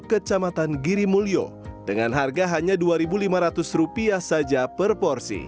kecamatan girimulyo dengan harga hanya rp dua lima ratus saja per porsi